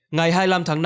ngoại truyền thông tin